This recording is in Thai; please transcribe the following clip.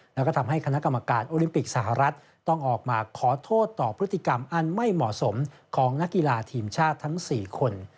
แล้วก็ทำให้คณะกรรมการโอลิมปิกสหรัฐต้องออกมาขอโทษต่อพฤติกรรมอันไม่เหมาะสมของนักกีฬาทีมชาติทั้ง๔คน